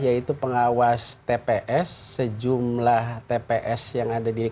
yaitu pengawas tps sejumlah tps yang ada di dki